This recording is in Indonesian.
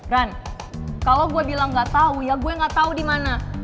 ran kalo gue bilang nggak tau ya gue nggak tau di mana